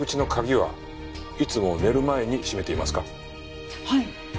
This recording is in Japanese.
はい。